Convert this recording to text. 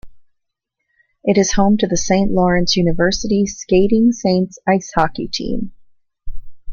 It is home to the Saint Lawrence University Skating Saints ice hockey team.